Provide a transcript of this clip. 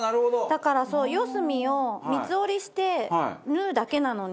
だから四隅を三つ折りして縫うだけなのに。